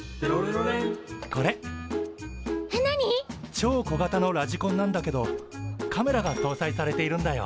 超小型のラジコンなんだけどカメラがとうさいされているんだよ。